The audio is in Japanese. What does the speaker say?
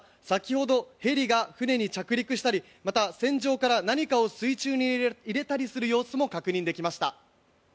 また、先ほどヘリが船に着陸したりまた、船上から何かを水中に入れたりする様子も確認できました。